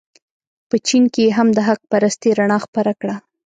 په چین کې یې هم د حق پرستۍ رڼا خپره کړه.